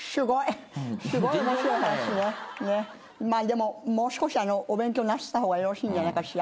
でももう少し勉強なさった方がよろしいんじゃないかしら。